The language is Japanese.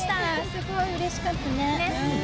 すごいうれしかったね。